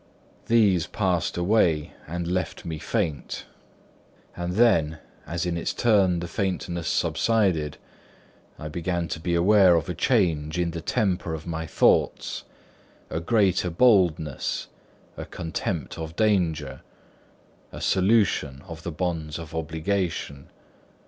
These passed away, and left me faint; and then as in its turn faintness subsided, I began to be aware of a change in the temper of my thoughts, a greater boldness, a contempt of danger, a solution of the bonds of obligation.